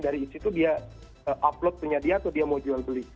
dari situ dia upload punya dia atau dia mau jual beli